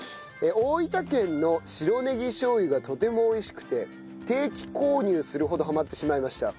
大分県の白ねぎ醤油がとても美味しくて定期購入するほどハマってしまいました。